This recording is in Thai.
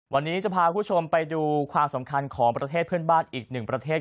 วันนี้จะพาคุณผู้ชมไปดูความสำคัญของประเทศเพื่อนบ้านอีกหนึ่งประเทศ